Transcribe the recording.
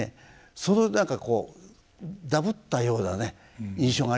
その何かこうダブったようなね印象がありますよ。